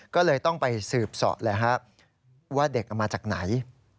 ก็เลยต้องไปสืบเสาะว่าเด็กเอามาจากไหน